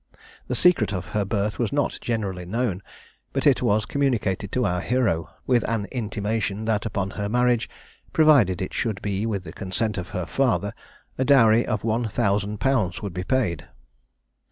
The secret of her birth was not generally known, but it was communicated to our hero, with an intimation that upon her marriage, provided it should be with the consent of her father, a dowry of 1000_l._ would be paid.